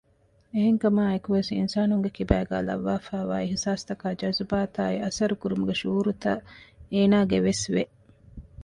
އެހެންކަމާއެކު ވެސް އިންސާނުންގެ ކިބައިގައި ލައްވައިފައިވާ އިޙުސާސްތަކާއި ޖަޒުބާތާއި އަސަރުކުރުމުގެ ޝުޢޫރުތައް އޭނާގެ ވެސް ވެ